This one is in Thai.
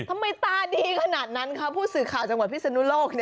ทำไมตาดีขนาดนั้นคะผู้สื่อข่าวจังหวัดพิศนุโลก